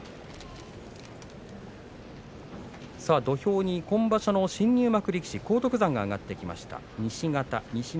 土俵上に今場所の新入幕力士荒篤山が上がってきました。